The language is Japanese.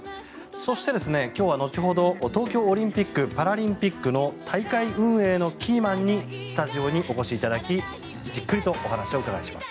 そして今日は後ほど東京オリンピック・パラリンピックの大会運営のキーマンにスタジオにお越しいただきじっくりとお話を伺います。